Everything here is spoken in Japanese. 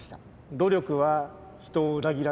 「努力は人を裏切らない。